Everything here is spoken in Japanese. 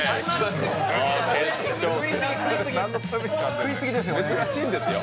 食い過ぎですよ。